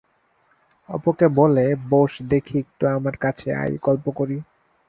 অপুকে বলে, বোস দেখি একটু আমার কাছে, আয় গল্প করি।